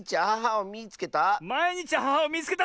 「まいにちアハハをみいつけた！」？